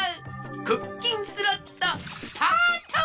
クッキンスロットスタート！